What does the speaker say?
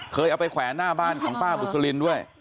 เอาไปแขวนหน้าบ้านของป้าบุษลินด้วย